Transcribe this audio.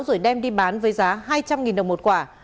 rồi đem đi bán với giá hai trăm linh đồng một quả